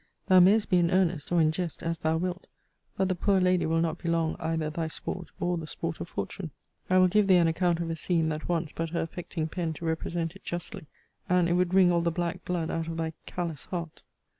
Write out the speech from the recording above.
Thou mayest be in earnest, or in jest, as thou wilt; but the poor lady will not be long either thy sport, or the sport of fortune! I will give thee an account of a scene that wants but her affecting pen to represent it justly; and it would wring all the black blood out of thy callous heart.